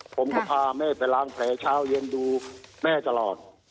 ผมก็พาแม่ไปล้างแผลเช้าเย็นดูแม่ตลอด